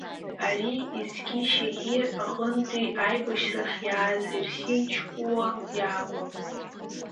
Ари Есқьишьеҳир аҟынтәи аибашьрахь иааз Ерсин Чқәуа иакәын.